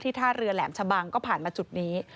ท่าเรือแหลมชะบังก็ผ่านมาจุดนี้